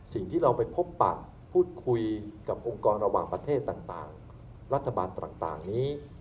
สิ่งที่เราไปพบปะพูดคุยกับองค์กรระหว่างประเทศต่างรัฐบาลต่างนี้